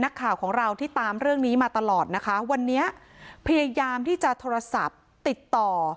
นักข่าวของเราที่ตามเรื่องนี้มาตลอดนะคะวันนี้พยายามที่จะโทรศัพท์ติดต่อ